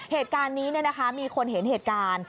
เหตุการณ์นี้มีคนเห็นเหตุการณ์